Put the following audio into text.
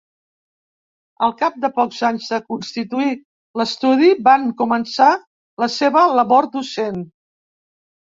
Al cap de pocs anys de constituir l'estudi, van començar la seva labor docent.